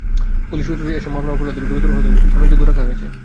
Police সূত্র জানায়, এসব মামলায় অপরাধের ধরন গুরুতর হলেও ধারা জামিনযোগ্য রাখা হয়েছে।